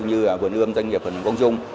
như vườn ươm doanh nghiệp vườn công dung